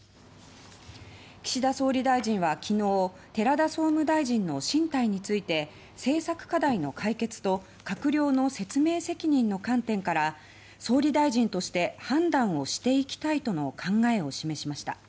岸田総理大臣は昨日寺田総務大臣の進退について政策課題の解決と閣僚の説明責任の観点から総理大臣として判断をしていきたいとの考えを示しました。